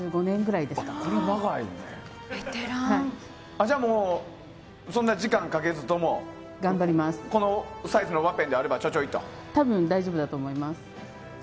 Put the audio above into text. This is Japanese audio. じゃあ、時間かけずともこのサイズのワッペンであれば多分、大丈夫だと思います。